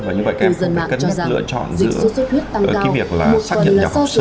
và như vậy các em cũng phải cất lựa chọn giữa cái việc là xác nhận nhập học xứ